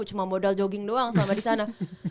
cuma modal jogging doang sama di sana